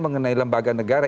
mengenai lembaga negara